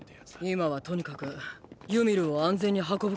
今はとにかくユミルを安全に運ぶことを考えよう。